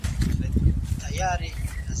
له تندو اوبو مه بېرېږه، له مړامو اوبو وبېرېږه.